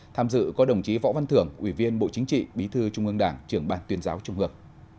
tham dự có đồng chí võ văn thưởng ủy viên bộ chính trị bí thư trung ương đảng trưởng bàn tuyên giáo trung ương